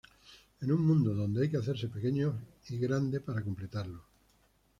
Es un mundo donde hay que hacerse pequeño y grande para completarlo.